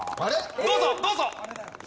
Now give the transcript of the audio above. どうぞどうぞ！